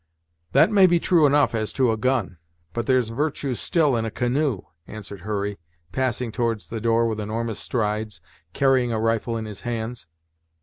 "That may be true enough, as to a gun, but there's virtue still in a canoe," answered Hurry, passing towards the door with enormous strides, carrying a rifle in his hands.